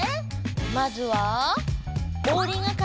まずは！